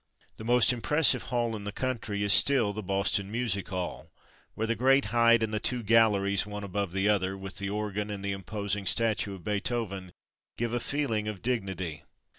The most impressive hall in the country is still the Boston Music Hall, where the great height and the two galleries, one above the other, with the organ and imposing statue of Beethoven, give a feeling of dignity.